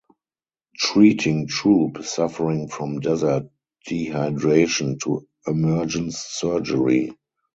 Treating troop suffering from desert dehydration to emergence surgery.